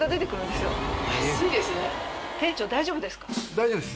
大丈夫です。